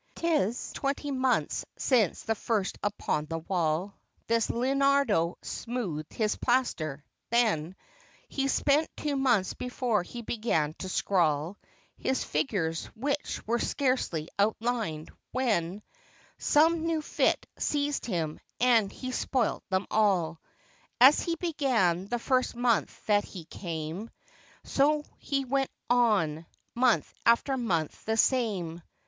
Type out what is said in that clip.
'T is twenty months since first upon the wall This Leonardo smoothed his plaster, — then He spent two months before he began to scrawl His figures, which were scarcely outlined, when Some new fit seized him, and he spoilt them all. As he began the first month that he came. So he went on, month after month the same.